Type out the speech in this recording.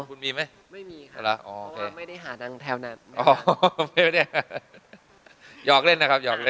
ไม่มีไม่ได้หาดังแถวนั้น